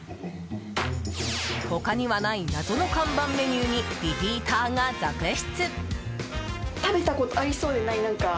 他にはない謎の看板メニューにリピーターが続出。